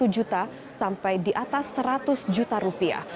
satu juta sampai di atas seratus juta rupiah